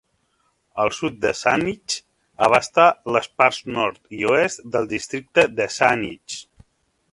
El sud de Saanich abasta les parts nord i oest del districte de Saanich.